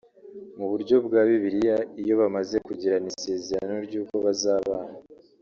Mu buryo bwa Bibiliya iyo bamaze kugirana isezerano ry’uko bazabana